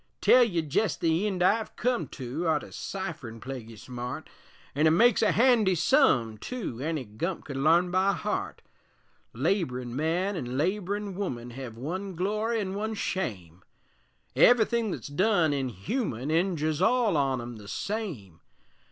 Tell ye jest the eend I've come to Arter cipherin' plaguy smart, An' it makes a handy sum, tu, Any gump could larn by heart; Laborin' man an' laborin' woman Hev one glory an' one shame. Ev'ythin' thet's done inhuman Injers all on 'em the same.